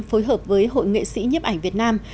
phối hợp với hội nghệ sĩ nhiếp ảnh việt nam